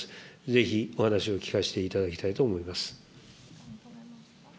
ぜひお話を聞かせていただきたいと思います。